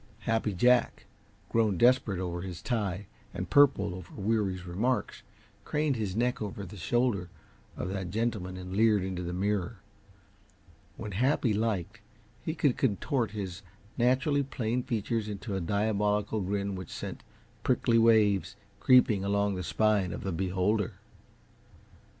Happy Jack, grown desperate over his tie and purple over Weary's remarks, craned his neck over the shoulder of that gentleman and leered into the mirror. When Happy liked, he could contort his naturally plain features into a diabolical grin which sent prickly waves creeping along the spine of the beholder.